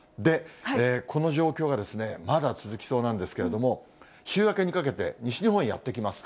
この状況が、まだ続きそうなんですけれども、週明けにかけて西日本へやって来ます。